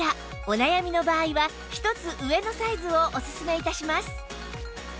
お悩みの場合は１つ上のサイズをおすすめ致します